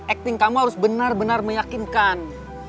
acting kamu harus benar benar meyakinkan